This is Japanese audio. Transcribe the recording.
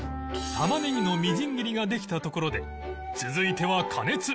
タマネギのみじん切りができたところで続いては加熱